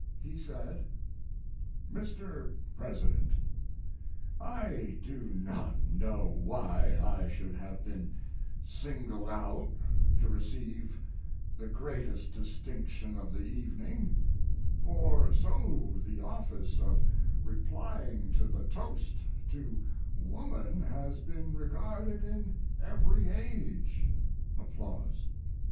He said: Mr. President, I do not know why I should have been singled out to receive the greatest distinction of the evening for so the office of replying to the toast to woman has been regarded in every age. [Applause.